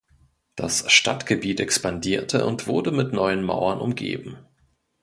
Das Stadtgebiet expandierte und wurde mit neuen Mauern umgeben.